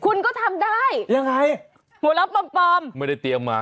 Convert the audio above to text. คุณก็ทำได้หัวเราะปลอมยังไงไม่ได้เตรียมมา